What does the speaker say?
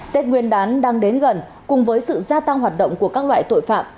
tết nguyên đán đang đến gần cùng với sự gia tăng hoạt động của các loại tội phạm